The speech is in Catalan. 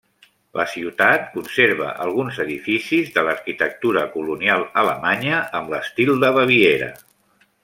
La ciutat conserva alguns edificis de l'arquitectura colonial alemanya amb l'estil de Baviera.